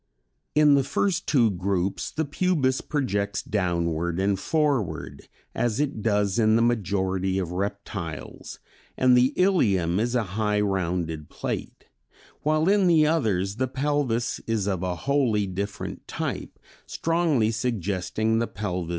In the first two groups the pubis projects downward and forward as it does in the majority of reptiles, and the ilium is a high rounded plate; while in the others the pelvis is of a wholly different type, strongly suggesting the pelvis of birds.